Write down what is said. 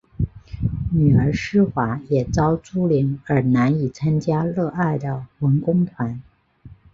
女儿思华也遭株连而难以参加热爱的文工团。